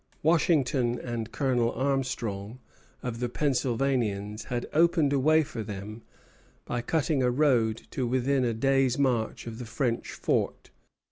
Washington and Colonel Armstrong, of the Pennsylvanians, had opened a way for them by cutting a road to within a day's march of the French fort.